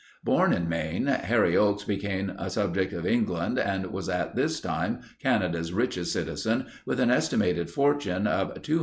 Born in Maine, Harry Oakes became a subject of England and was at this time Canada's richest citizen, with an estimated fortune of $200,000,000.